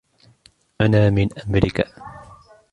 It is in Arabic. أنا من أمريكا.